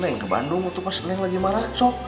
neng ke bandung tuh pas neng lagi marah sok